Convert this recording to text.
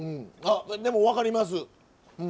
あでも分かります。